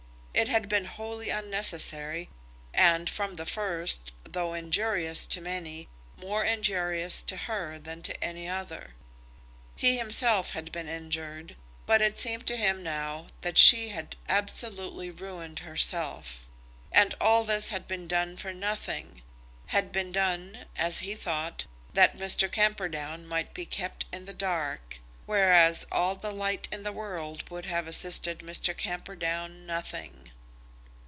It had been wholly unnecessary, and, from the first, though injurious to many, more injurious to her than to any other. He himself had been injured, but it seemed to him now that she had absolutely ruined herself. And all this had been done for nothing, had been done, as he thought, that Mr. Camperdown might be kept in the dark, whereas all the light in the world would have assisted Mr. Camperdown nothing.